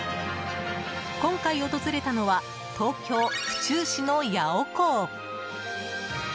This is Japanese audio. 今回、訪れたのは東京・府中市のヤオコー。